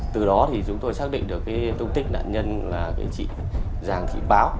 từ đó thì chúng tôi xác định được cái thông tích nạn nhân là chị giàng thị báo